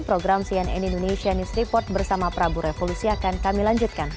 program cnn indonesia news report bersama prabu revolusi akan kami lanjutkan